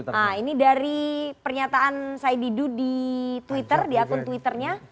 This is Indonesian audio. nah ini dari pernyataan said didu di twitter di akun twitternya